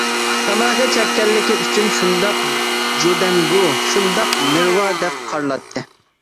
تاماكا چەككەنلىكى ئۈچۈن شۇنداق جۈدەڭگۈ، شۇنداق نېرۋا دەپ قارىلاتتى.